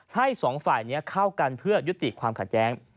ให้๒ฝ่ายเข้ากันเพื่อยุติความขาดแย้ง